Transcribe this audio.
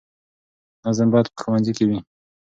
نظم باید په ښوونځي کې وي.